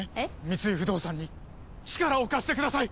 三井不動産に力を貸してください！